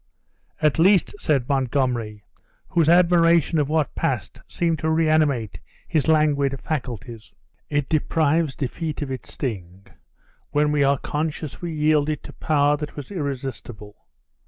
"At least," said Montgomery, whose admiration of what passed seemed to reanimate his languid faculties, "it deprives defeat of its sting, when we are conscious we yielded to power that was irresistible.